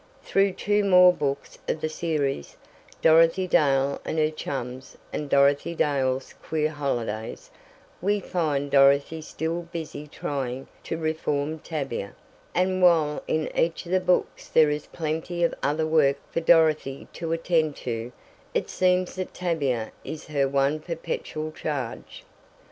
Through two more books of the series, "Dorothy Dale and Her Chums," and "Dorothy Dale's Queer Holidays," we find Dorothy still busy trying to reform Tavia, and while in each of the books there is plenty of other work for Dorothy to attend to, it seems that Tavia is her one perpetual charge.